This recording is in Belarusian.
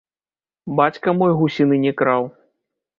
Бацька мой гусіны не краў.